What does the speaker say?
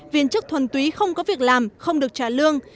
viên chức thuần túy không có việc làm không được trả lương